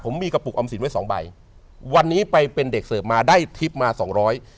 ผมมีกระปุกออมสินไว้สองใบวันนี้ไปเป็นเด็กเสิร์ฟมาได้ทิพย์มาสองร้อย